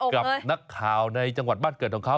กับนักข่าวในจังหวัดบ้านเกิดของเขา